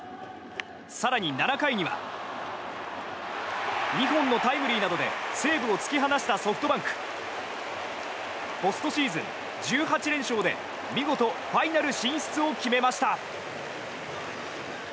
更に７回には２本のタイムリーなどで西武を突き放したソフトバンク。ポストシーズン１８連勝で見事ファイナル進出を決めました。